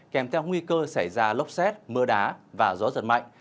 kèm theo nguy cơ xảy ra lốc xét mưa đá và gió giật mạnh